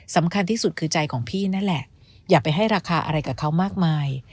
สำคัญที่สุดคือใจของพี่นั่นแหละอย่าไปให้ราคาอะไรกับเขามากมาย